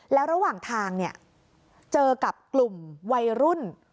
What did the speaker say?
แล้วระหว่างทางเจอกับกลุ่มวัยรุ่น